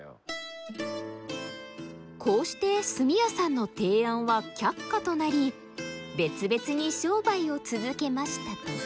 こうして炭屋さんの提案は却下となり別々に商売を続けましたとさ。